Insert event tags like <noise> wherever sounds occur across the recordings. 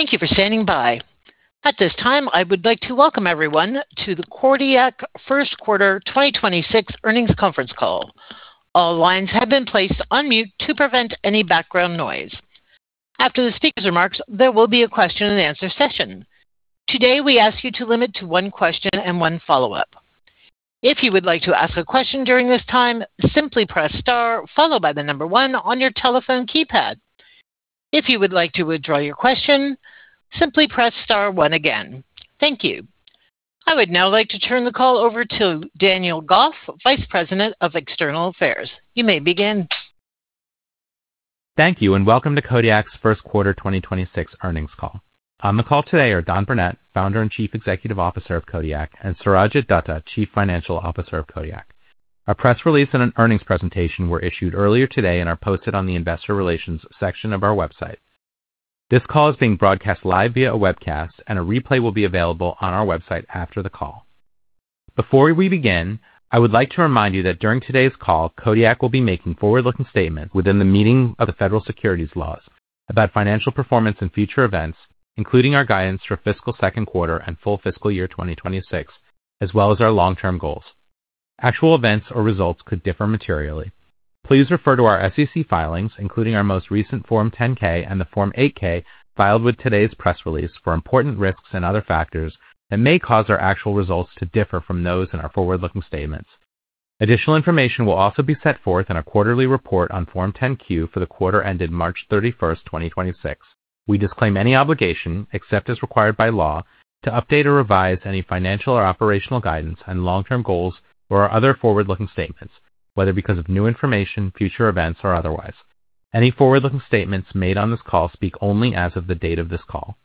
Thank you for standing by. At this time, I would like to welcome everyone to the Kodiak First Quarter 2026 Earnings Conference Call. All lines have been placed on mute to prevent any background noise. After the speaker's remarks, there will be a question-and-answer session. Today, we ask you to limit to one question, and one follow-up. If you would like to ask a question during this time, simply press star followed by the number one on your telephone keypad. If you would like to withdraw your question, simply press star one again. Thank you. I would now like to turn the call over to Daniel Goff, Vice President of External Affairs. You may begin. Thank you, welcome to Kodiak's First Quarter 2026 Earnings Call. On the call today are Don Burnette, Founder and Chief Executive Officer of Kodiak. And Surajit Datta, Chief Financial Officer of Kodiak. Our press release, and an earnings presentation were issued earlier today, and are posted on the Investor Relations section of our website. This call is being broadcast live via a webcast, and a replay will be available on our website after the call. Before we begin, I would like to remind you that during today's call, Kodiak will be making forward-looking statements. Within the meaning of the federal securities laws about financial performance, and future events. Including our guidance for fiscal second quarter, and full fiscal year 2026, as well as our long-term goals. Actual events or results could differ materially. Please refer to our SEC filings, including our most recent Form 10-K, and the Form 8-K. Filed with today's press release for important risks, and other factors. That may cause our actual results to differ from those in our forward-looking statements. Additional information will also be set forth in our quarterly report on Form 10-Q, for the quarter ended March 31st, 2026. We disclaim any obligation, except as required by law. To update or revise any financial or operational guidance, and long-term goals or other forward-looking statements, whether because of new information, future events, or otherwise. Any forward-looking statements made on this call speak only as of the date of this call.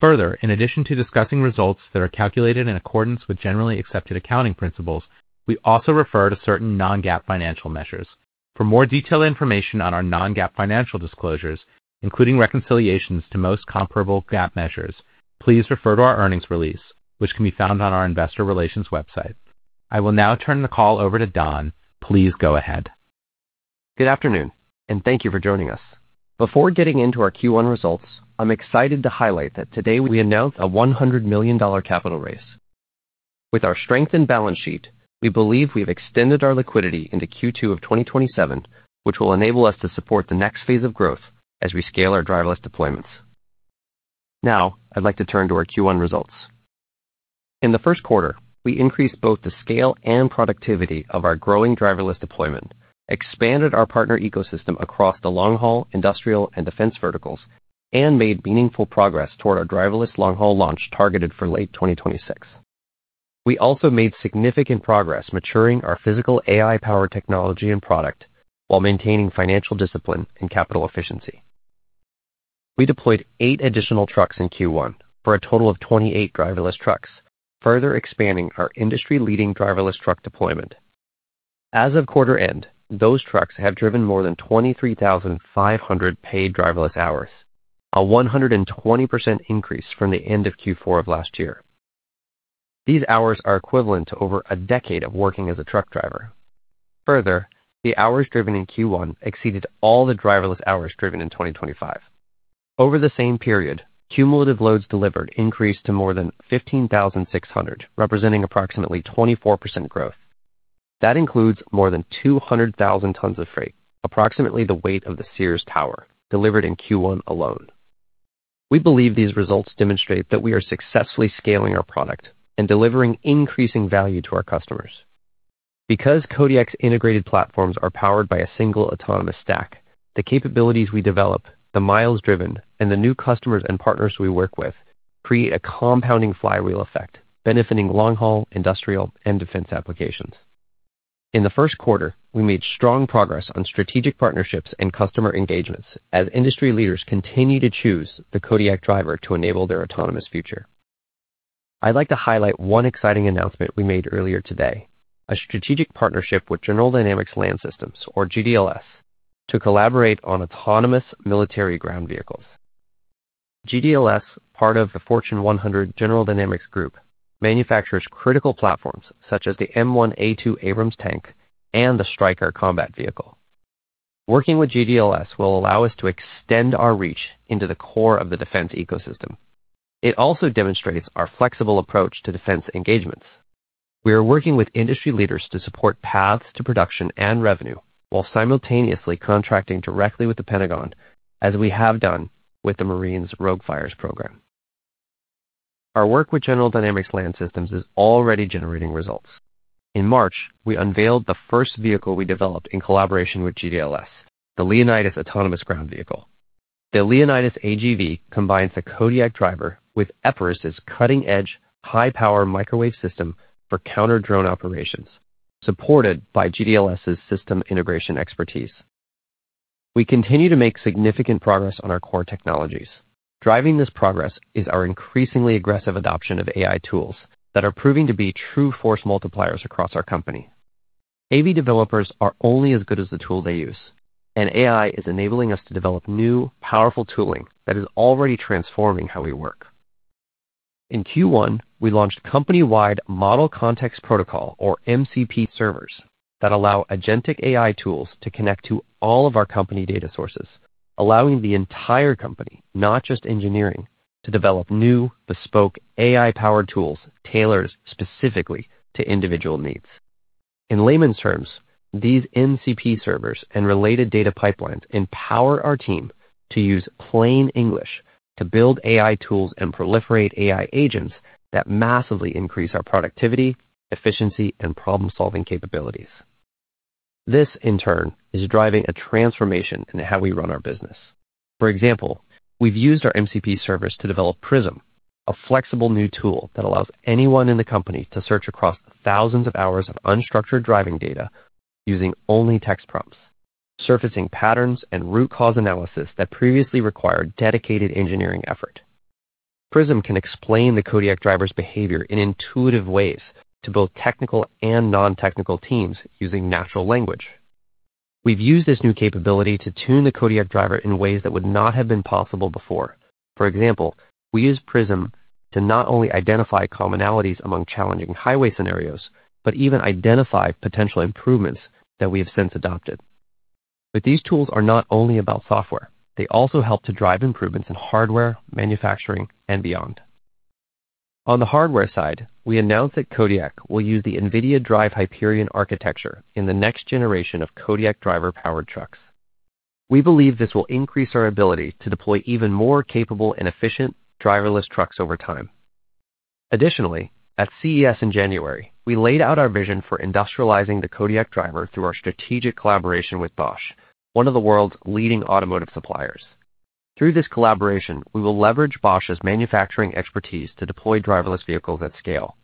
Further, in addition to discussing results that are calculated in accordance with generally accepted accounting principles. We also refer to certain non-GAAP financial measures. For more detailed information on our non-GAAP financial disclosures. Including reconciliations to most comparable GAAP measures. Please refer to our earnings release, which can be found on our investor relations website. I will now turn the call over to Don. Please go ahead. Good afternoon, and thank you for joining us. Before getting into our Q1 results. I'm excited to highlight, that today we announced a $100 million capital raise. With our strengthened balance sheet, we believe we've extended our liquidity into Q2 of 2027. Which will enable us to support the next phase of growth, as we scale our driverless deployments. I'd like to turn to our Q1 results. In the first quarter, we increased both the scale, and productivity of our growing driverless deployment. Expanded our partner ecosystem across the long haul, industrial, and defense verticals. And made meaningful progress toward our driverless long-haul launch targeted for late 2026. We also made significant progress maturing our physical AI-powered technology, and product while maintaining financial discipline, and capital efficiency. We deployed eight additional trucks in Q1 for a total of 28 driverless trucks. Further expanding our industry-leading driverless truck deployment. As of quarter end, those trucks have driven more than 23,500 paid driverless hours. A 120% increase from the end of Q4 of last year. These hours are equivalent to over a decade of working as a truck driver. Further, the hours driven in Q1 exceeded all the driverless hours driven in 2025. Over the same period, cumulative loads delivered increased to more than 15,600, representing approximately 24% growth. That includes more than 200,000 tons of freight. Approximately the weight of the Sears Tower, delivered in Q1 alone. We believe these results demonstrate that we are successfully scaling our product, and delivering increasing value to our customers. Because Kodiak's integrated platforms are powered by a single autonomous stack. The capabilities we develop, the miles driven, and the new customers, and partners we work with. Create a compounding flywheel effect benefiting long haul, industrial, and defense applications. In the first quarter, we made strong progress on strategic partnerships, and customer engagements. As industry leaders continue to choose the Kodiak Driver to enable their autonomous future. I'd like to highlight one exciting announcement we made earlier today. A strategic partnership with General Dynamics Land Systems, or GDLS. To collaborate on autonomous military ground vehicles. GDLS, part of the Fortune 100 General Dynamics group, manufactures critical platforms. Such as the M1A2 Abrams tank, and the Stryker combat vehicle. Working with GDLS will allow us to extend our reach into the core of the defense ecosystem. It also demonstrates our flexible approach to defense engagements. We are working with industry leaders to support paths to production, and revenue. While simultaneously contracting directly with the Pentagon. As we have done with the Marines ROGUE Fires program. Our work with General Dynamics Land Systems is already generating results. In March, we unveiled the first vehicle we developed in collaboration with GDLS. The Leonidas Autonomous Ground Vehicle. The Leonidas AGV combines the Kodiak Driver, with Epirus' cutting-edge high-power microwave system for counter-drone operations, supported by GDLS' system integration expertise. We continue to make significant progress on our core technologies. Driving this progress is our increasingly aggressive adoption of AI tools. That are proving to be true force multipliers across our company. AV developers are only as good as the tool they use. AI is enabling us to develop new, powerful tooling, that is already transforming how we work. In Q1, we launched company-wide Model Context Protocol, or MCP Servers. That allow agentic AI tools to connect to all of our company data sources. Allowing the entire company, not just engineering. To develop new bespoke AI-powered tools tailored specifically to individual needs. In layman's terms, these MCP servers, and related data pipelines. Empower our team to use plain English to build AI tools, and proliferate AI agents. That massively increase our productivity, efficiency, and problem-solving capabilities. This, in turn, is driving a transformation in how we run our business. For example, we've used our MCP servers to develop Prism. A flexible new tool, that allows anyone in the company. To search across thousands of hours of unstructured driving data using only text prompts. Surfacing patterns, and root cause analysis that previously required dedicated engineering effort. Prism can explain the Kodiak Driver's behavior in intuitive ways. To both technical, and non-technical teams using natural language. We've used this new capability to tune the Kodiak Driver, in ways that would not have been possible before. For example, we use Prism to not only identify commonalities among challenging highway scenarios. But even identify potential improvements that we have since adopted. These tools are not only about software. They also help to drive improvements in hardware, manufacturing, and beyond. On the hardware side, we announced that Kodiak will use the NVIDIA DRIVE Hyperion architecture. In the next generation of Kodiak Driver-powered trucks. We believe this will increase our ability to deploy even more capable, and efficient driverless trucks over time. At CES in January, we laid out our vision for industrializing the Kodiak Driver. Through our strategic collaboration with Bosch, one of the world's leading automotive suppliers. Through this collaboration, we will leverage Bosch's manufacturing expertise. To deploy driverless vehicles at scale.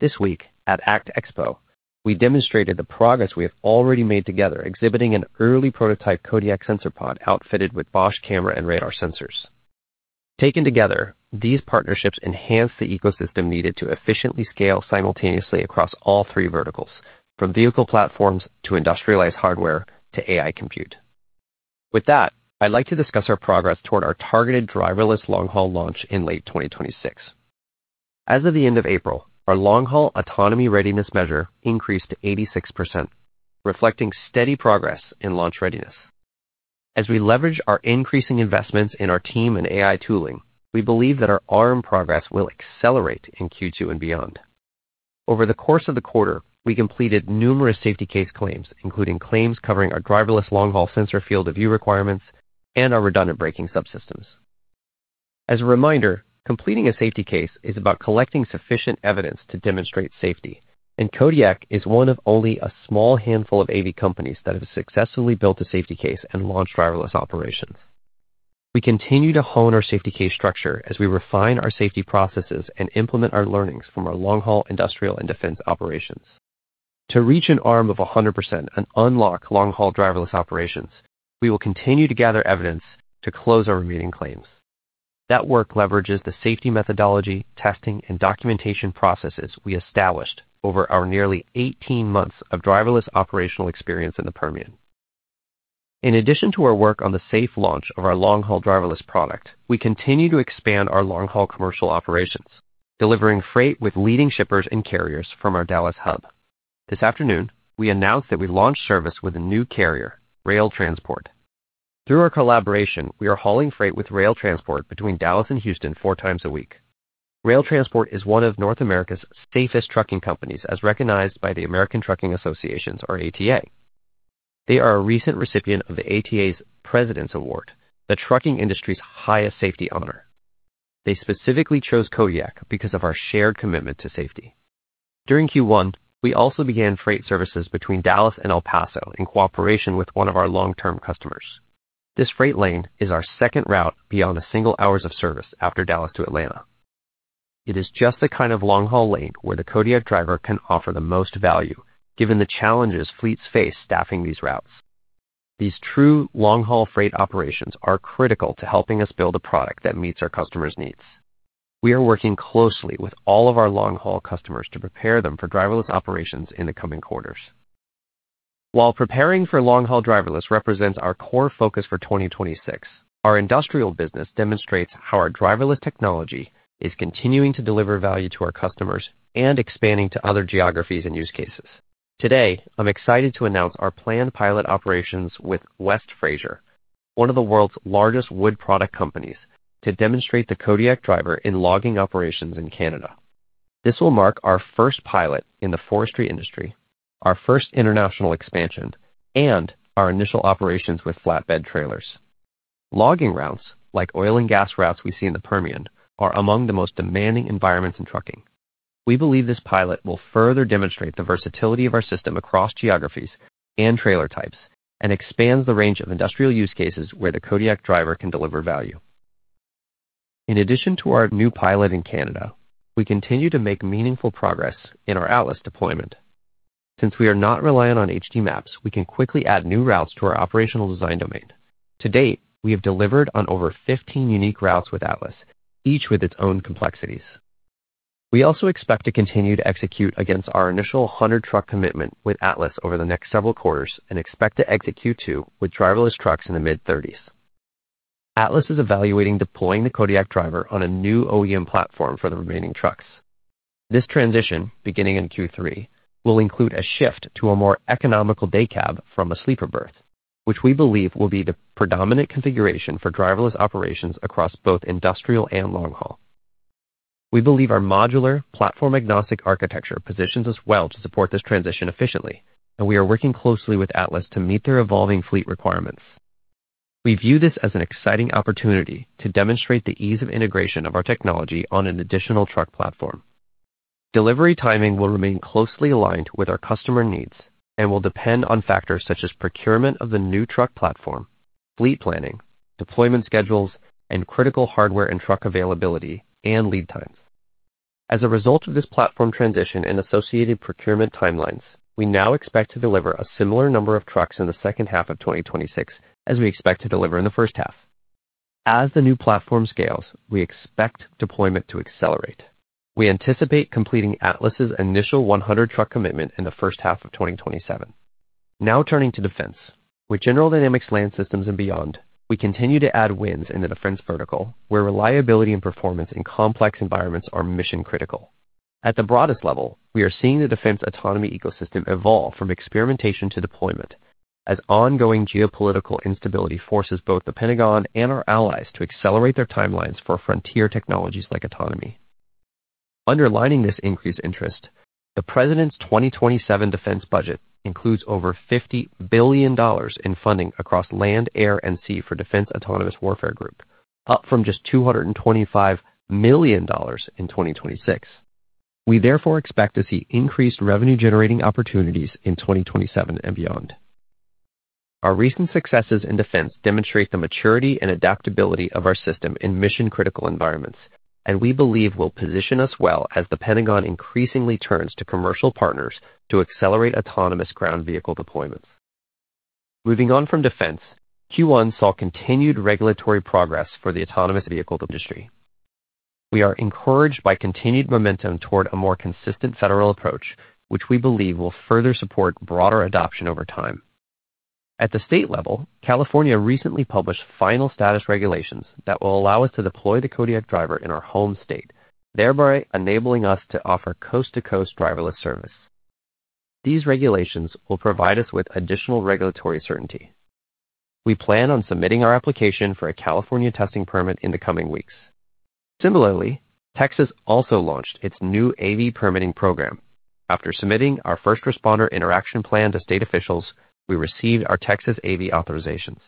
This week, at ACT Expo, we demonstrated the progress we have already made together. Exhibiting an early prototype Kodiak SensorPod outfitted with Bosch camera, and radar sensors. Taken together, these partnerships enhance the ecosystem needed to efficiently scale simultaneously across all three verticals. From vehicle platforms to industrialized hardware to AI compute. I'd like to discuss our progress toward our targeted driverless long-haul launch in late 2026. As of the end of April, our long-haul autonomy readiness measure increased to 86%. Reflecting steady progress in launch readiness. As we leverage our increasing investments in our team, and AI tooling, we believe that our ARM progress will accelerate in Q2, and beyond. Over the course of the quarter, we completed numerous safety case claims. Including claims covering our driverless long-haul sensor field of view requirements, and our redundant braking subsystems. As a reminder, completing a safety case is about collecting sufficient evidence. To demonstrate safety, and Kodiak is one of only a small handful of AV companies. That have successfully built a safety case, and launched driverless operations. We continue to hone our safety case structure as we refine our safety processes. And implement our learnings from our long-haul industrial, and defense operations. To reach an ARM of 100%, and unlock long-haul driverless operations. We will continue to gather evidence to close our remaining claims. That work leverages the safety methodology, testing, and documentation processes. We established over our nearly 18 months of driverless operational experience in the Permian. In addition to our work on the safe launch of our long-haul driverless product. We continue to expand our long-haul commercial operations. Delivering freight with leading shippers, and carriers from our Dallas Hub. This afternoon, we announced that we launched service with a new carrier, Roehl Transport. Through our collaboration, we are hauling freight with Roehl Transport between, Dallas and Houston four times a week. Roehl Transport is one of North America's safest trucking companies. As recognized by the American Trucking Associations' or ATA. They are a recent recipient of the ATA's President's Award, the trucking industry's highest safety honor. They specifically chose Kodiak because of our shared commitment to safety. During Q1, we also began freight services between Dallas, and El Paso in cooperation with one of our long-term customers. This freight lane is our second route beyond a single hours of service after Dallas to Atlanta. It is just the kind of long-haul lane, where the Kodiak Driver can offer the most value, given the challenges fleets face staffing these routes. These true long-haul freight operations are critical. To helping us build a product that meets our customers' needs. We are working closely with all of our long-haul customers. To prepare them for driverless operations in the coming quarters. While preparing for long-haul driverless represents our core focus for 2026. Our industrial business demonstrates, how our driverless technology. Is continuing to deliver value to our customers, and expanding to other geographies, and use cases. Today, I'm excited to announce our planned pilot operations with West Fraser. One of the world's largest wood product companies. To demonstrate the Kodiak Driver in logging operations in Canada. This will mark our first pilot in the forestry industry. Our first international expansion, and our initial operations with flatbed trailers. Logging routes, like oil, and gas routes we see in the Permian. Are among the most demanding environments in trucking. We believe this pilot will further demonstrate the versatility of our system across geographies, and trailer types. And expands the range of industrial use cases where the Kodiak Driver can deliver value. In addition to our new pilot in Canada, we continue to make meaningful progress in our Atlas deployment. Since we are not reliant on HD maps, we can quickly add new routes to our operational design domain. To date, we have delivered on over 15 unique routes with Atlas, each with its own complexities. We also expect to continue to execute against our initial 100 truck commitment. With Atlas over the next several quarters, and expect to exit Q2 with driverless trucks in the mid-30s. Atlas is evaluating deploying the Kodiak Driver on a new OEM platform for the remaining trucks. This transition, beginning in Q3, will include a shift to a more economical day cab from a sleeper berth. Which we believe will be the predominant configuration for driverless operations across both industrial, and long haul. We believe our modular platform-agnostic architecture positions us well to support this transition efficiently. And we are working closely with Atlas to meet their evolving fleet requirements. We view this as an exciting opportunity, to demonstrate the ease of integration of our technology on an additional truck platform. Delivery timing will remain closely aligned with our customer needs. And will depend on factors such as procurement of the new truck platform. Fleet planning, deployment schedules, and critical hardware, and truck availability and lead times. As a result of this platform transition, and associated procurement timelines. We now expect to deliver a similar number of trucks in the second half of 2026. As we expect to deliver in the first half. As the new platform scales, we expect deployment to accelerate. We anticipate completing Atlas's initial 100 truck commitment in the first half of 2027. Now turning to defense. With General Dynamics Land Systems, and beyond, we continue to add wins in the defense vertical. Where reliability, and performance in complex environments are mission critical. At the broadest level, we are seeing the defense autonomy ecosystem evolve. From experimentation to deployment, as ongoing geopolitical instability. Forces both the Pentagon, and our allies to accelerate their timelines for frontier technologies like autonomy. Underlining this increased interest, the President's 2027 defense budget. Includes over $50 billion in funding across land, air, and sea for Defense Autonomous Warfare Group, up from just $225 million in 2026. We therefore expect to see increased revenue generating opportunities in 2027, and beyond. Our recent successes in defense demonstrate the maturity, and adaptability of our system in mission-critical environments. And we believe will position us well as the Pentagon increasingly turns to commercial partners. To accelerate Autonomous Ground Vehicle deployments. Moving on from defense, Q1 saw continued regulatory progress for the autonomous vehicle industry. We are encouraged by continued momentum toward a more consistent federal approach. Which we believe will further support broader adoption over time. At the state level, California recently published final state regulations. That will allow us to deploy the Kodiak Driver in our home state. Thereby, enabling us to offer coast-to-coast driverless service. These regulations will provide us with additional regulatory certainty. We plan on submitting our application for a California testing permit in the coming weeks. Similarly, Texas also launched its new AV permitting program. After submitting our first responder interaction plan to state officials. We received our Texas AV authorizations.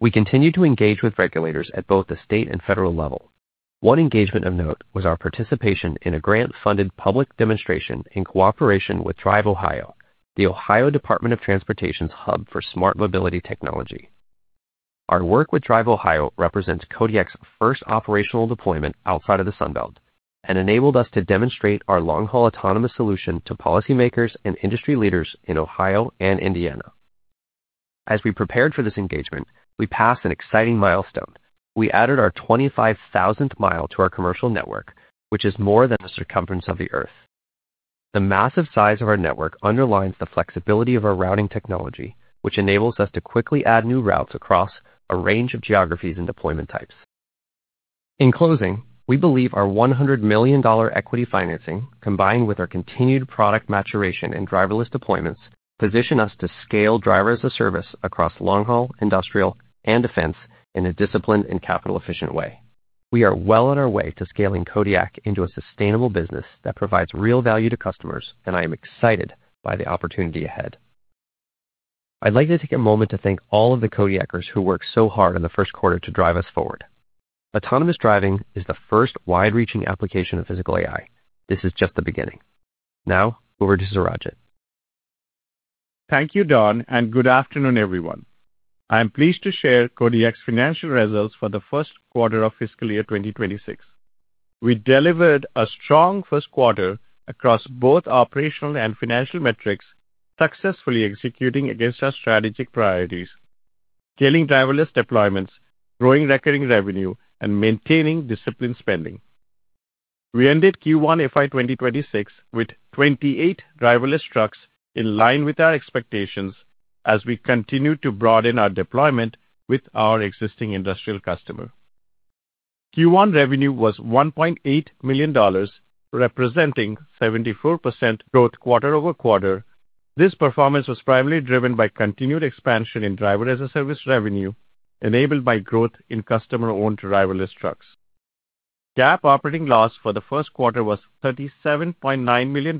We continue to engage with regulators at both the state, and federal level. One engagement of note was our participation in a grant funded public demonstration in cooperation with DriveOhio. The Ohio Department of Transportation's hub for smart mobility technology. Our work with DriveOhio represents Kodiak's first operational deployment outside of the Sun Belt. And enabled us to demonstrate our long-haul autonomous solution. To policymakers, and industry leaders in Ohio, and Indiana. As we prepared for this engagement, we passed an exciting milestone. We added our 25,000th mi to our commercial network. Which is more than the circumference of the Earth. The massive size of our network underlines the flexibility of our routing technology. Which enables us to quickly add new routes across, a range of geographies and deployment types. In closing, we believe our $100 million equity financing. Combined with our continued product maturation, and driverless deployments. Position us to scale Driver-as-a-Service across long-haul, industrial, and defense in a disciplined, and capital efficient way. We are well on our way to scaling Kodiak into a sustainable business. That provides real value to customers. I am excited by the opportunity ahead. I'd like to take a moment to thank all of the Kodiakers, who worked so hard in the first quarter to drive us forward. Autonomous driving is the first wide-reaching application of physical AI. This is just the beginning. Over to Surajit. Thank you, Don, and good afternoon, everyone. I am pleased to share Kodiak's financial results for the first quarter of fiscal year 2026. We delivered a strong first quarter across both operational, and financial metrics. Successfully executing against our strategic priorities, scaling driverless deployments, growing recurring revenue, and maintaining disciplined spending. We ended Q1 FY 2026 with 28 driverless trucks. In line with our expectations as we continue to broaden our deployment with our existing industrial customer. Q1 revenue was $1.8 million, representing 74% growth quarter-over-quarter. This performance was primarily driven by continued expansion in Driver-as-a-Service revenue. Enabled by growth in customer owned driverless trucks. GAAP operating loss for the first quarter was $37.9 million.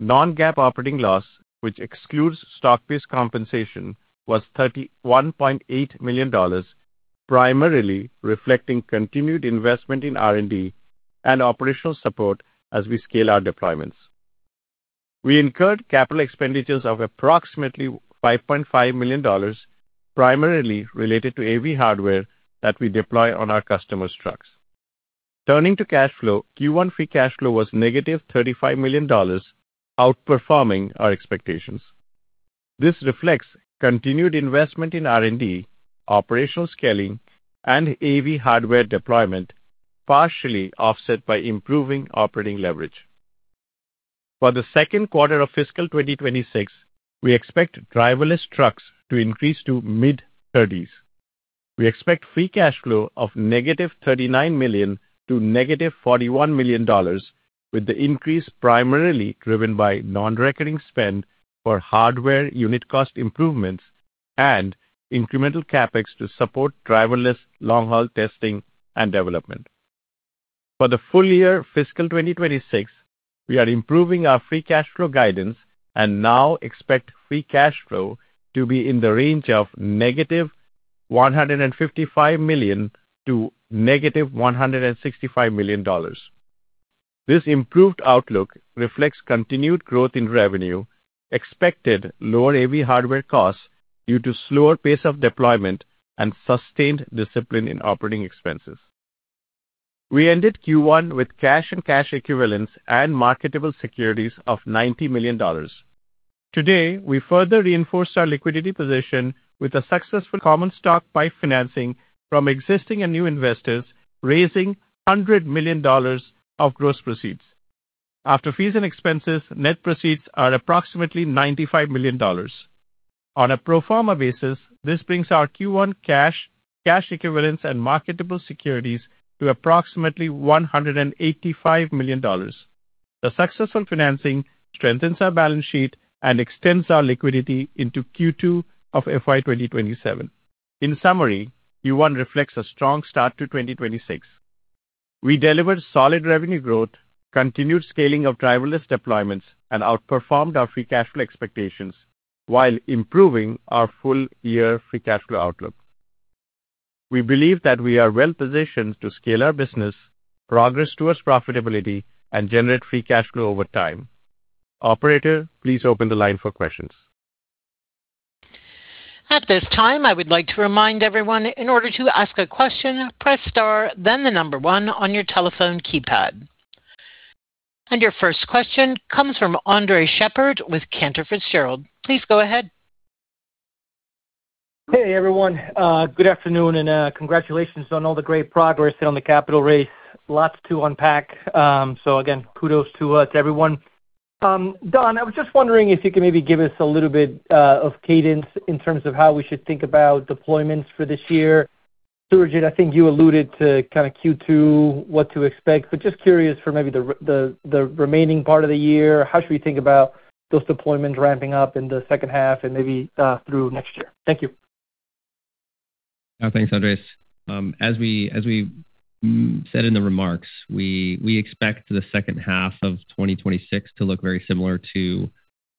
Non-GAAP operating loss, which excludes stock-based compensation. Was $31.8 million, primarily reflecting continued investment in R&D, and operational support as we scale our deployments. We incurred capital expenditures of approximately $5.5 million. Primarily related to AV hardware, that we deploy on our customers' trucks. Turning to cash flow, Q1 free cash flow was -$35 million, outperforming our expectations. This reflects continued investment in R&D, operational scaling, and AV hardware deployment. Partially offset by improving operating leverage. For the second quarter of fiscal 2026, we expect driverless trucks to increase to mid-30s. We expect free cash flow of -$39 million to -$41 million, with the increase primarily driven by non-recurring spend. For hardware unit cost improvements, and incremental CapEx to support driverless long-haul testing, and development. For the full year fiscal 2026, we are improving our free cash flow guidance. And now expect free cash flow to be in the range of -$155 million to -$165 million. This improved outlook reflects continued growth in revenue. Expected lower AV hardware costs, due to slower pace of deployment, and sustained discipline in operating expenses. We ended Q1 with cash, and cash equivalents, and marketable securities of $90 million. Today, we further reinforced our liquidity position. With a successful common stock PIPE financing from existing, and new investors, raising $100 million of gross proceeds. After fees, and expenses, net proceeds are approximately $95 million. On a pro forma basis, this brings our Q1 cash equivalents. And marketable securities to approximately $185 million. The successful financing strengthens our balance sheet. And extends our liquidity into Q2 of FY 2027. In summary, Q1 reflects a strong start to 2026. We delivered solid revenue growth, continued scaling of driverless deployments. And outperformed our free cash flow expectations, while improving our full year free cash flow outlook. We believe that we are well-positioned to scale our business. Progress towards profitability, and generate free cash flow over time. Operator, please open the line for questions. Your first question comes from Andres Sheppard with Cantor Fitzgerald. Please go ahead. Hey, everyone, good afternoon, and congratulations on all the great progress on the capital raise. Lots to unpack. Again, kudos to everyone. Don, I was just wondering if you could maybe give us a little bit of cadence, in terms of how we should think about deployments for this year? Surajit, I think you alluded to kinda Q2. What to expect, but just curious for maybe the remaining part of the year? How should we think about those deployments ramping up in the second half, and maybe through next year? Thank you. Thanks, Andres. As we said in the remarks, we expect the second half of 2026. To look very similar to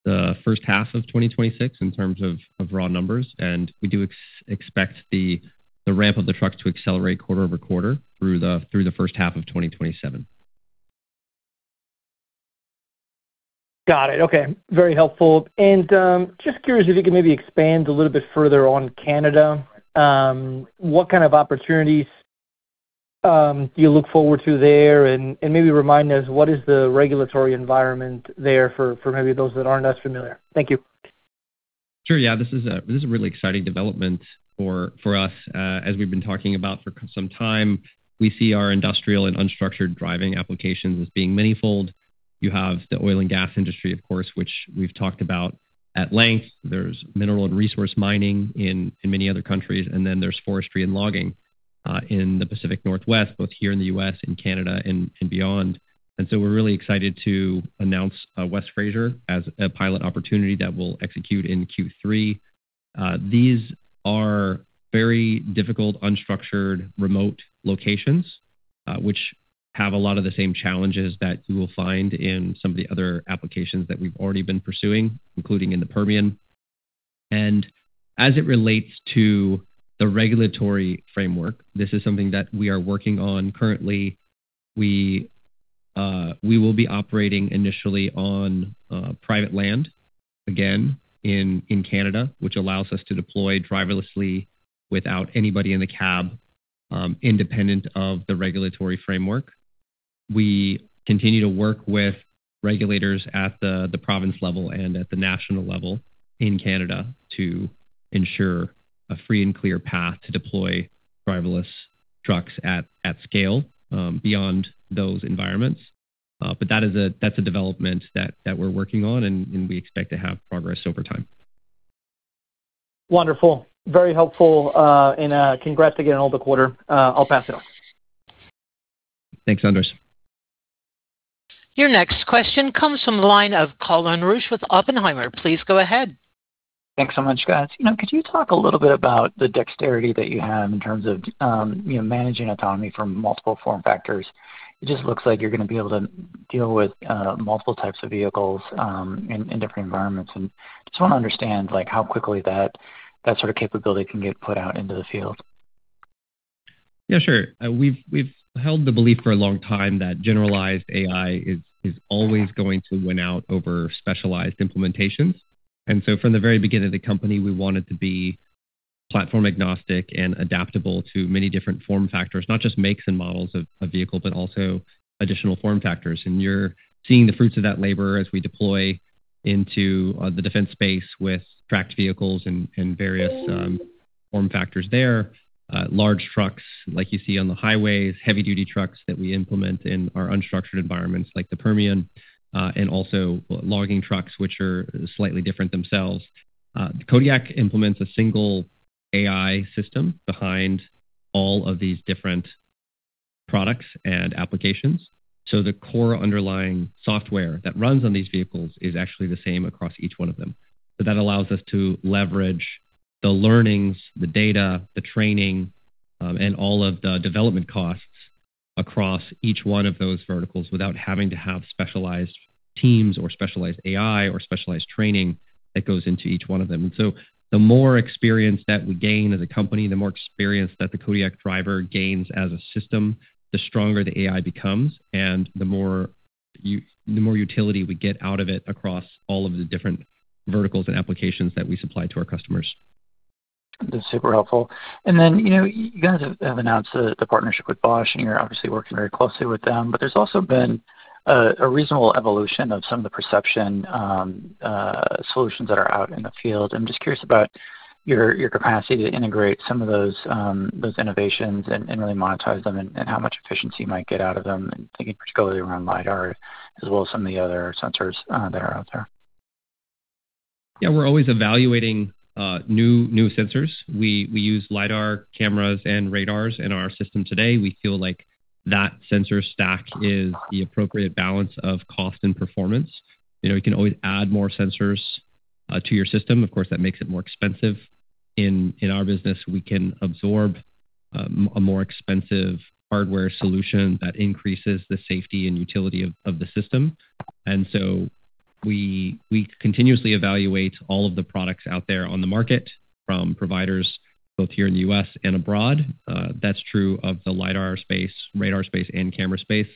the first half of 2026 in terms of raw numbers. And we do expect the ramp of the truck to accelerate quarter-over-quarter through the first half of 2027. Got it. Okay. Very helpful. Just curious if you could maybe expand a little bit further on Canada. What kind of opportunities do you look forward to there? Maybe remind us, what is the regulatory environment there for maybe those that aren't as familiar? Thank you. Sure, yeah. This is a really exciting development for us. As we've been talking about for some time. We see our industrial, and unstructured driving applications as being manifold. You have the oil, and gas industry, of course, which we've talked about at length. There's mineral, and resource mining in many other countries. Then there's forestry, and logging in the Pacific Northwest. Both here in the U.S., and Canada, and beyond. We're really excited to announce West Fraser. As a pilot opportunity that we'll execute in Q3. These are very difficult, unstructured, remote locations, which have a lot of the same challenges. That you will find in some of the other applications. That we've already been pursuing, including in the Permian. As it relates to the regulatory framework, this is something that we are working on currently. We will be operating initially on private land, again in Canada. Which allows us to deploy driverlessly without anybody in the cab, independent of the regulatory framework. We continue to work with regulators. At the province level, and at the national level in Canada. To ensure a free, and clear path to deploy driverless trucks at scale beyond those environments. That is a development that we're working on, and we expect to have progress over time. Wonderful. Very helpful. Congrats again on all the quarter. I'll pass it on. Thanks, Andres. Your next question comes from the line of Colin Rusch with Oppenheimer. Please go ahead. Thanks so much, guys. You know, could you talk a little bit about the dexterity that you have, in terms of, you know, managing autonomy from multiple form factors? It just looks like you're gonna be able to deal with multiple types of vehicles in different environments. Just wanna understand, like, how quickly that sort of capability can get put out into the field? Yeah, sure. We've held the belief for a long time that generalized AI. Is always going to win out over specialized implementations. From the very beginning of the company, we wanted to be platform agnostic. And adaptable to many different form factors. Not just makes, and models of vehicle, but also additional form factors. You're seeing the fruits of that labor as we deploy into the defense space. With tracked vehicles, and various form factors there. Large trucks like you see on the highways. Heavy-duty trucks that we implement in our unstructured environments like the Permian. And also logging trucks, which are slightly different themselves. Kodiak implements a single AI system behind all of these different products, and applications. The core underlying software that runs on these vehicles is actually the same across each one of them. That allows us to leverage the learnings, the data, the training, and all of the development costs. Across each one of those verticals without having to have specialized teams. Or specialized AI, or specialized training that goes into each one of them. The more experience that we gain as a company, the more experience that the Kodiak Driver gains as a system. The stronger the AI becomes, and the more utility we get out of it across all of the different verticals, and applications that we supply to our customers. That's super helpful. Then, you know, you guys have announced the partnership with Bosch. And you're obviously working very closely with them. There's also been a reasonable evolution of some of the perception solutions that are out in the field. I'm just curious about your capacity to integrate some of those innovations, and really monetize them. And how much efficiency you might get out of them? And thinking particularly around LiDAR as well as some of the other sensors that are out there. We're always evaluating new sensors. We use LiDAR cameras, and radars in our system today. We feel like that sensor stack is the appropriate balance of cost, and performance. You know, you can always add more sensors to your system. Of course, that makes it more expensive. In our business, we can absorb a more expensive hardware solution. That increases the safety, and utility of the system. We continuously evaluate all of the products out there on the market. From providers both here in the U.S., and abroad. That's true of the LiDAR space, radar space, and camera space.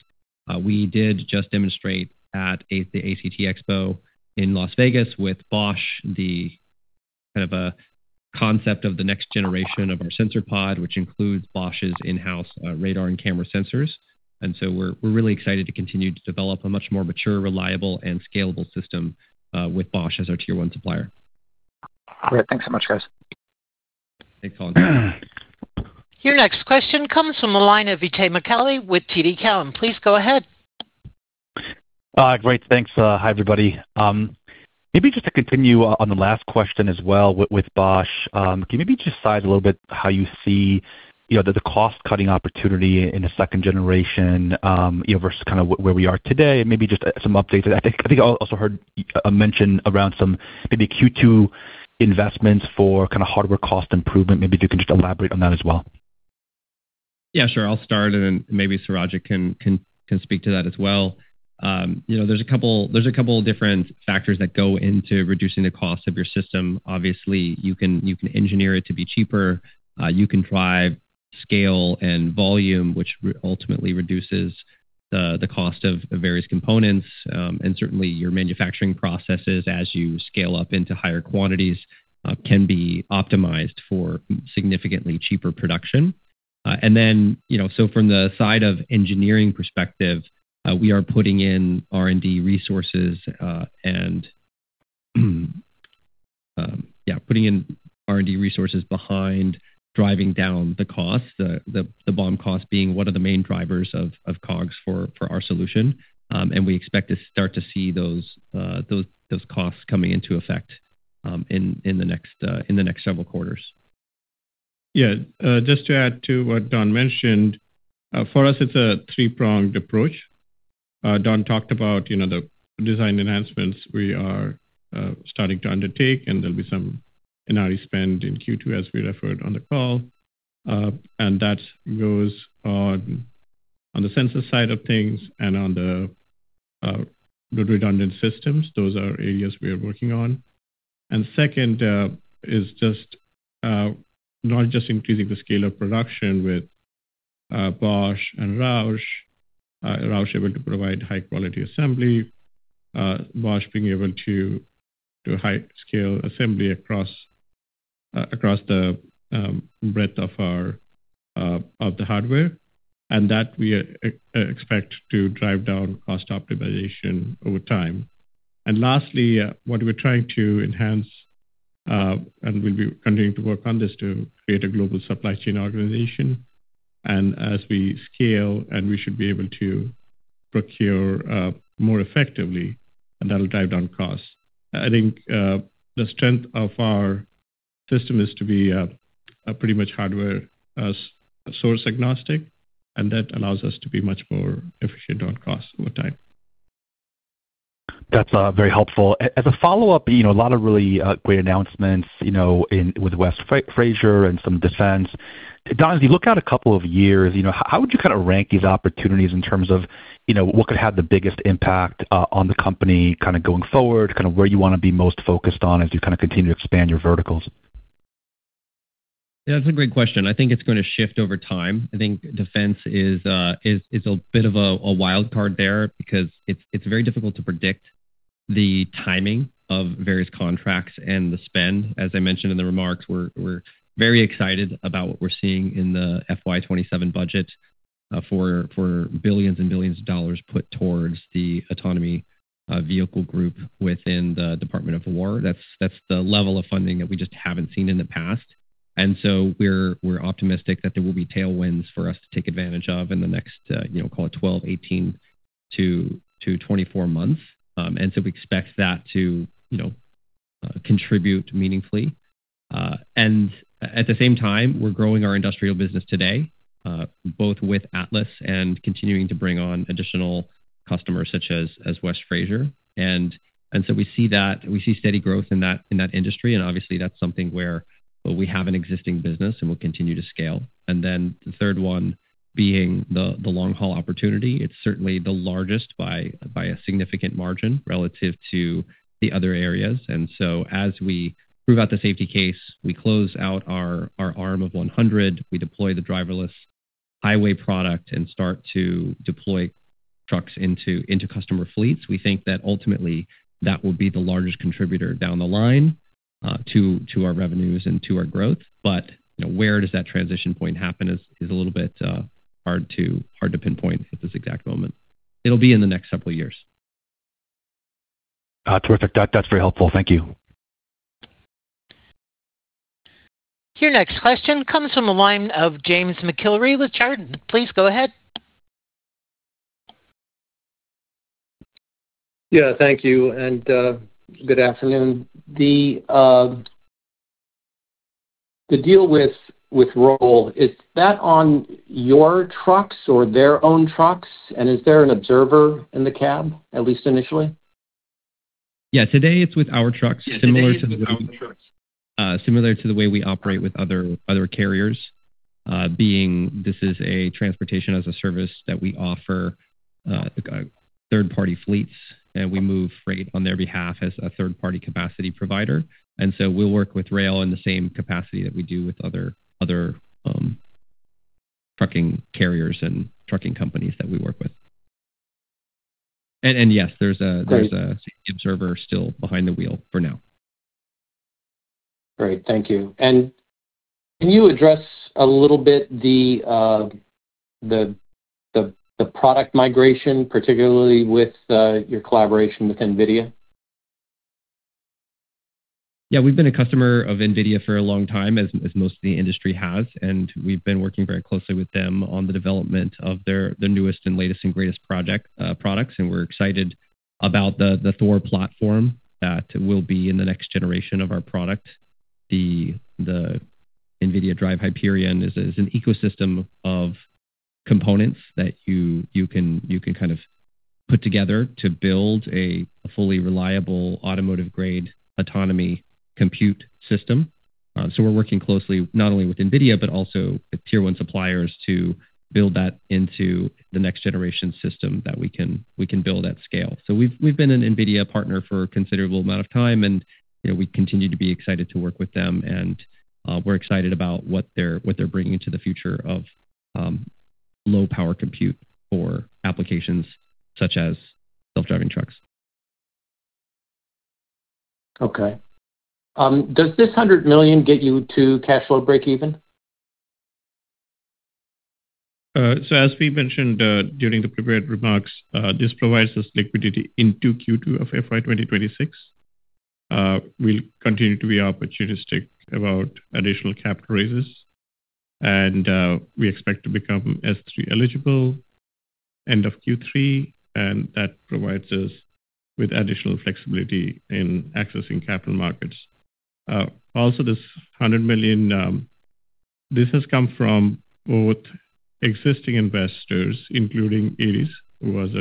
We did just demonstrate at the ACT Expo in Las Vegas with Bosch. The kind of a concept of the next generation of our SensorPod. Which includes Bosch's in-house radar, and camera sensors. We're really excited to continue to develop a much more mature, reliable, and scalable system with Bosch as our tier one supplier. Great. Thanks so much, guys. Thanks, Colin. Your next question comes from the line of Itay Michaeli with TD Cowen. Please go ahead. Great. Thanks. Hi, everybody. Maybe just to continue on the last question as well with Bosch. Can you maybe just cite a little how you see, you know, the cost-cutting opportunity in the second generation? You know, versus kind of where we are today, and maybe just some updates. I think I also heard mention around some maybe Q2 investments, for kind of hardware cost improvement. Maybe you can just elaborate on that as well. Yeah, sure. I'll start. Maybe Surajit can speak to that as well. You know, there's a couple different factors, that go into reducing the cost of your system. Obviously, you can engineer it to be cheaper. You can drive scale, and volume. Which ultimately reduces the cost of various components. Certainly, your manufacturing processes as you scale up into higher quantities. Can be optimized for significantly cheaper production. You know, from the side of engineering perspective, we are putting in R&D resources. Behind driving down the cost, the BOM cost being one of the main drivers of COGS for our solution. We expect to start to see those costs coming into effect in the next several quarters. Just to add to what Don mentioned, for us it's a three-pronged approach. Don talked about, you know, the design enhancements we are starting to undertake. And there'll be some NRE spend in Q2, as we referred on the call. That goes on the sensor side of things, and on the redundant systems. Those are areas we are working on. Second is just not just increasing the scale of production with Bosch, and Roush. Roush able to provide high quality assembly, Bosch being able to do a high scale assembly across, across the breadth of our, of the hardware. That we expect to drive down cost optimization over time. Lastly, what we're trying to enhance, and we'll be continuing to work on this, to create a global supply chain organization. As we scale, we should be able to procure more effectively, and that'll drive down costs. I think the strength of our system is to be pretty much hardware as source agnostic. And that allows us to be much more efficient on cost over time. That's very helpful. As a follow-up, you know, a lot of really great announcements, you know, with West Fraser, and some defense. Don, as you look out a couple of years, you know, how would you kind of rank these opportunities in terms of? You know, what could have the biggest impact on the company kind of going forward? Kind of where you want to be most focused on as you kind of continue to expand your verticals? Yeah, that's a great question. I think it's going to shift over time. I think defense is a bit of a wild card there. Because it's very difficult to predict the timing of various contracts, and the spend. As I mentioned in the remarks, we're very excited about what we're seeing in the FY 2027 budget. For billions, and billions dollar put towards the autonomy vehicle group within the Department of Defense. That's the level of funding that we just haven't seen in the past. We're optimistic that there will be tailwinds for us. To take advantage of in the next, call it 12, 18 to 24 months. We expect that to contribute meaningfully. At the same time, we're growing our industrial business today. Both with Atlas, and continuing to bring on additional customers such as West Fraser. We see steady growth in that industry, and obviously that's something where we have an existing business, and we'll continue to scale. The third one, being the long-haul opportunity. It's certainly the largest by a significant margin relative to the other areas. As we prove out the safety case, we close out our arm of 100. We deploy the driverless highway product, and start to deploy trucks into customer fleets. We think that ultimately that will be the largest contributor down the line. To our revenues, and to our growth. You know, where does that transition point happen is a little bit, hard to pinpoint at this exact moment. It'll be in the next several years. Terrific. That's very helpful. Thank you. Your next question comes from the line of Jim McIlree with Chardan. Please go ahead. Yeah, thank you, good afternoon. The deal with Roush, is that on your trucks or their own trucks? Is there an observer in the cab, at least initially? Today it's with our trucks. <crosstalk> Similar to the way we operate with other carriers. Being this is a transportation as a service that we offer, third-party fleets. And we move freight on their behalf as a third-party capacity provider. We'll work with Roehl in the same capacity. That we do with other trucking carriers, and trucking companies that we work with. Yes, there's a. Great. There's a safety observer still behind the wheel for now. Great. Thank you. Can you address a little bit the product migration, particularly with your collaboration with NVIDIA? We've been a customer of NVIDIA for a long time, as most of the industry has. We've been working very closely with them on the development of their newest, and latest, and greatest project products. We're excited about the Thor platform that will be in the next generation of our product. The NVIDIA DRIVE Hyperion is an ecosystem of components. That you can kind of put together to build a fully reliable automotive-grade autonomy compute system. We're working closely not only with NVIDIA, but also with tier one suppliers. To build that into the next generation system that we can build at scale. We've been an NVIDIA partner for a considerable amount of time, and, you know, we continue to be excited to work with them. We're excited about what they're bringing to the future of, low power compute for applications, such as self-driving trucks. Okay. Does this $100 million get you to cash flow breakeven? As we mentioned, during the prepared remarks, this provides us liquidity into Q2 of FY 2026. We'll continue to be opportunistic about additional capital raises, and we expect to become S-3 eligible end of Q3. And that provides us with additional flexibility in accessing capital markets. Also, this $100 million has come from both existing investors. Including Ares, who was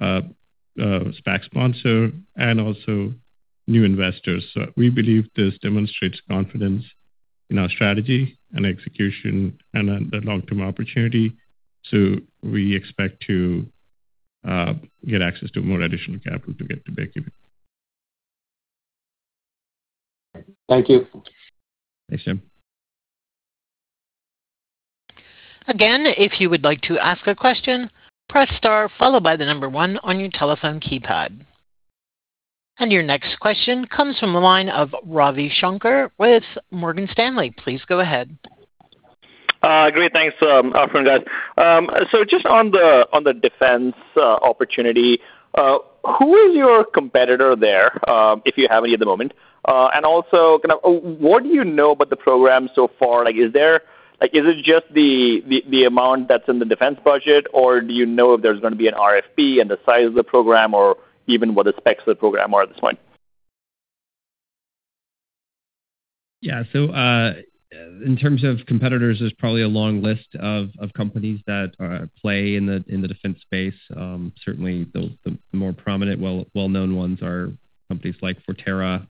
a SPAC sponsor, and also new investors. We believe this demonstrates confidence in our strategy, and execution, and the long-term opportunity. We expect to get access to more additional capital, to get to breakeven. Thank you. Thanks, Jim. Again, if you would like to ask a question, press star followed by the number one on your telephone keypad. Your next question comes from the line of Ravi Shanker with Morgan Stanley. Please go ahead. Great, thanks. Afternoon, guys. Just on the defense opportunity, who is your competitor there? If you have any at the moment. Also, what do you know about the program so far? Like, is it just the amount that's in the defense budget. Or do you know if there's gonna be an RFP, and the size of the program? Or even, what the specs of the program are at this point? In terms of competitors, there's probably a long list of companies that play in the defense space. Certainly the more prominent, well-known ones are companies like Forterra,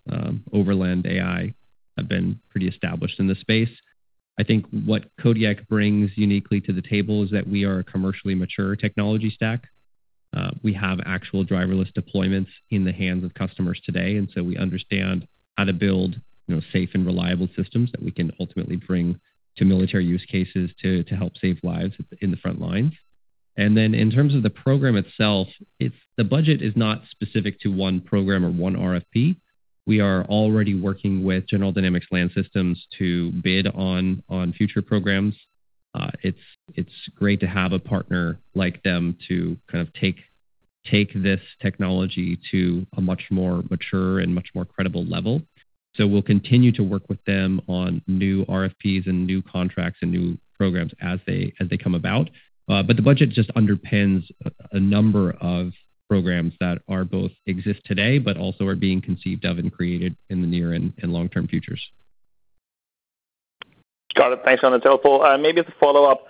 Overland AI have been pretty established in this space. I think what Kodiak brings uniquely to the table. Is that we are a commercially mature technology stack. We have actual driverless deployments in the hands of customers today. We understand how to build, you know, safe, and reliable systems. That we can ultimately bring, to military use cases. To help save lives in the front lines. In terms of the program itself, the budget is not specific to one program or one RFP. We are already working with General Dynamics Land Systems to bid on future programs. It's great to have a partner like them to kind of take this technology. To a much more mature, and much more credible level. We'll continue to work with them on new RFPs, and new contracts. And new programs as they come about. The budget just underpins a number of programs that are both exist today. But also are being conceived of, and created in the near, and long-term futures. Got it, thanks on the telephone. Maybe as a follow-up,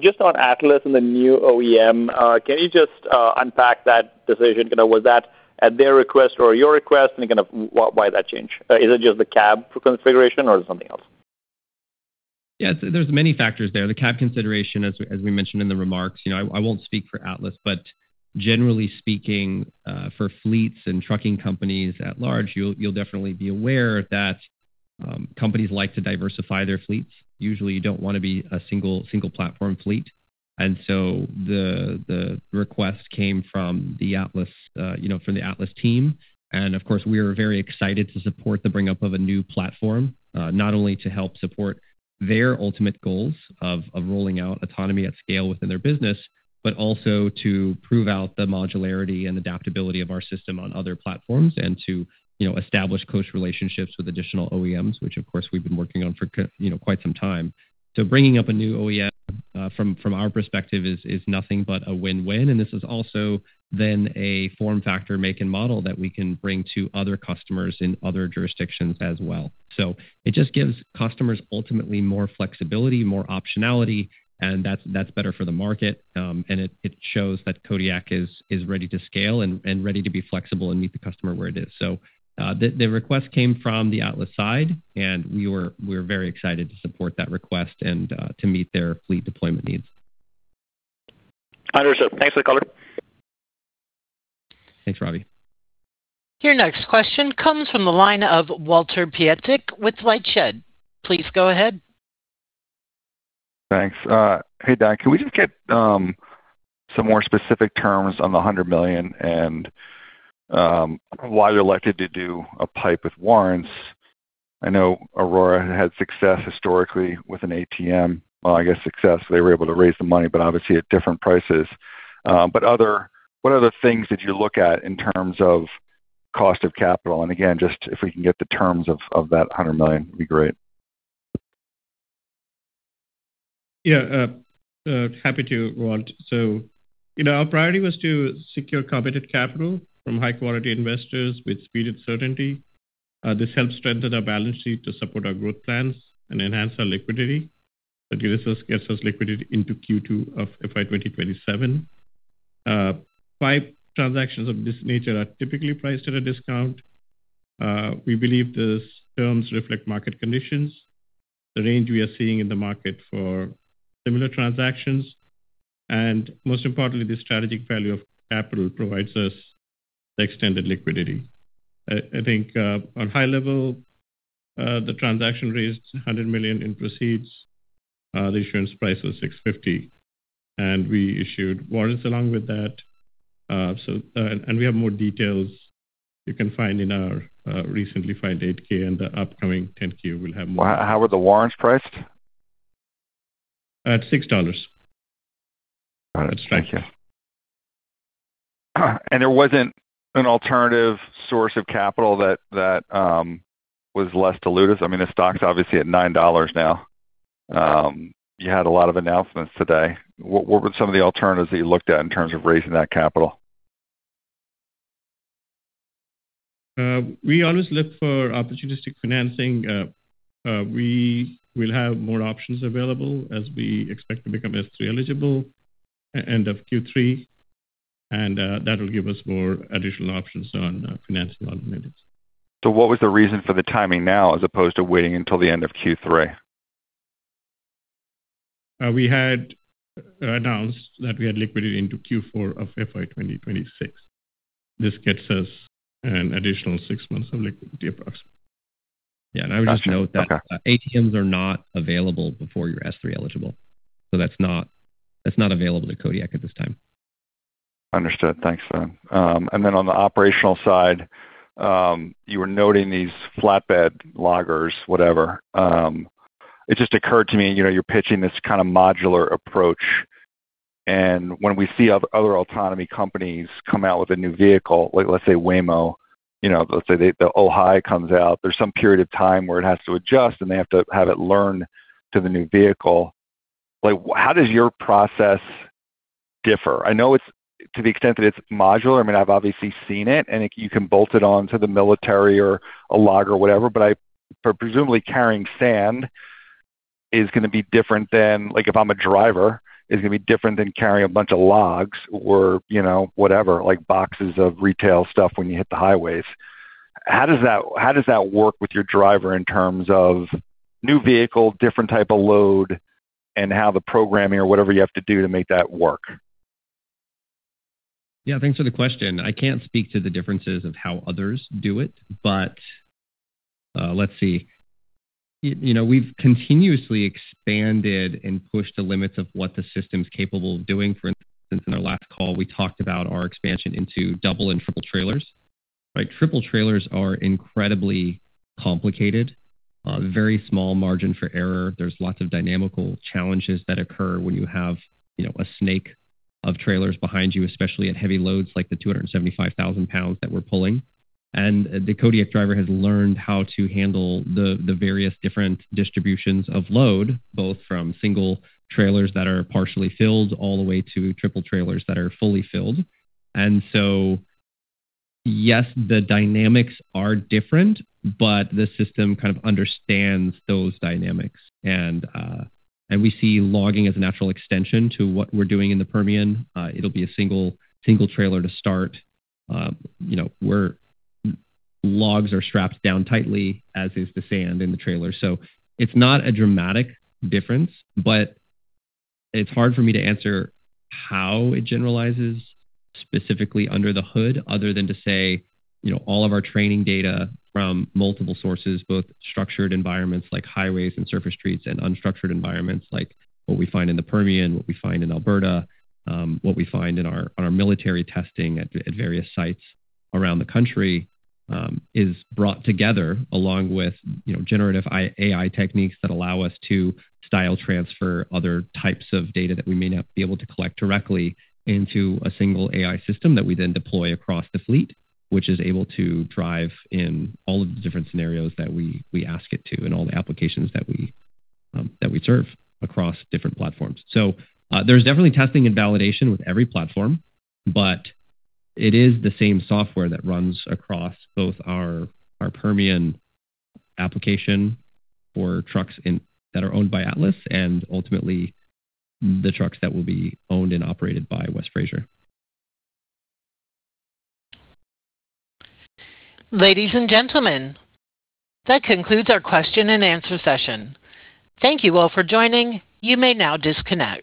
just on Atlas, and the new OEM. Can you just unpack that decision? You know, was that at their request or your request. Kind of why that change? Is it just the cab for configuration or something else? Yes, there's many factors there. The cab consideration, as we mentioned in the remarks, you know, I won't speak for Atlas. But generally speaking, for fleets, and trucking companies at large. You'll definitely be aware that companies like to diversify their fleets. Usually, you don't wanna be a single platform fleet. The request came from the Atlas, you know, from the Atlas team. Of course, we are very excited to support the bring up of a new platform. Not only to help support their ultimate goals, of rolling out autonomy at scale within their business. But also to prove out the modularity, and adaptability of our system on other platforms. And to, you know, establish close relationships with additional OEMs. Which of course we've been working on for you know, quite some time. Bringing up a new OEM, from our perspective is nothing but a win-win. And this is also then a form factor make, and model that we can bring to other customers in other jurisdictions as well. It just gives customers ultimately more flexibility, more optionality. And that's better for the market, and it shows that Kodiak is ready to scale. And ready to be flexible, and meet the customer where it is. The request came from the Atlas side, and we're very excited to support that request. And to meet their fleet deployment needs. Understood. Thanks for the call. Thanks, Ravi. Your next question comes from the line of Walter Piecyk with LightShed. Please go ahead. Thanks. Hey, Don, can we just get some more specific terms on the $100 million? And why you elected to do a PIPE with warrants? I know Aurora had success historically with an ATM. Well, I guess success, they were able to raise the money, but obviously at different prices. What other things did you look at in terms of cost of capital? Again, just if we can get the terms of that $100 million, it'd be great. Yeah, happy to, Walt. You know, our priority was to secure committed capital. From high-quality investors with speed, and certainty. This helps strengthen our balance sheet to support our growth plans, and enhance our liquidity. It gets us liquidity into Q2 of FY 2027. PIPE transactions of this nature are typically priced at a discount. We believe these terms reflect market conditions. The range we are seeing in the market for similar transactions. And most importantly, the strategic value of capital provides us the extended liquidity. I think, on high level, the transaction raised $100 million in proceeds. The issuance price was $6.50, and we issued warrants along with that. We have more details you can find in our recently filed 8-K, and the upcoming 10-Q will have. How are the warrants priced? At $6. Got it. Thank you. Thanks. There wasn't an alternative source of capital that was less dilutive. I mean, the stock's obviously at $9 now. You had a lot of announcements today. What were some of the alternatives that you looked at in terms of raising that capital? We always look for opportunistic financing. We will have more options available, as we expect to become S-3 eligible end of Q3. And that will give us more additional options on financing alternatives. What was the reason for the timing now, as opposed to waiting until the end of Q3? We had announced that we had liquidity into Q4 of FY 2026. This gets us an additional six months of liquidity approx. Yeah. Gotcha. Okay. ATMs are not available before you're S-3 eligible. That's not available to Kodiak at this time. Understood. Thanks. On the operational side, you were noting these flatbed loggers, whatever. It just occurred to me, you know, you're pitching this kind of modular approach. And when we see other autonomy companies come out with a new vehicle. Like let's say Waymo, you know, let's say the OHI comes out. There's some period of time where it has to adjust. And they have to have it learn to the new vehicle. Like, how does your process differ? I know it's to the extent that it's modular. I mean, I've obviously seen it, and you can bolt it on to the military or a logger or whatever. I for presumably carrying sand is gonna be different than, like if I'm a driver. Is gonna be different than carrying a bunch of logs or, you know, whatever, like boxes of retail stuff when you hit the highways. How does that work with your driver in terms of new vehicle, different type of load? And how the programming or whatever you have to do to make that work? Yeah, thanks for the question. I can't speak to the differences of how others do it, but, let's see. You know, we've continuously expanded, and pushed the limits of what the system's capable of doing. For instance, in our last call, we talked about our expansion into double, and triple trailers, right? Triple trailers are incredibly complicated, very small margin for error. There's lots of dynamical challenges that occur when you have. You know, a snake of trailers behind you, especially at heavy loads like the 275,000 lbs that we're pulling. The Kodiak Driver has learned how to handle the various different distributions of load. Both from single trailers that are partially filled. All the way to triple trailers that are fully filled. Yes, the dynamics are different, but the system kind of understands those dynamics. We see logging as a natural extension to what we're doing in the Permian. It'll be a single trailer to start. You know, where logs are strapped down tightly, as is the sand in the trailer. It's not a dramatic difference, but it's hard for me to answer. How it generalizes specifically, under the hood other than to say. You know, all of our training data from multiple sources, both structured environments. Like highways, and surface streets, and unstructured environments. Like what we find in the Permian, what we find in Alberta. What we find in our, on our military testing at various sites around the country. Is brought together along with, you know, Generative AI techniques. That allow us to style transfer other types of data that we may not be able to collect directly. Into a single AI system that we then deploy across the fleet. Which is able to drive in all of the different scenarios that we ask it to, and all the applications that we serve across different platforms. There's definitely testing, and validation with every platform. But it is the same software that runs across both our Permian application. For trucks that are owned by Atlas, and ultimately the trucks that will be owned, and operated by West Fraser. Ladies and gentlemen, that concludes our question-and-answer session. Thank you all for joining. You may now disconnect.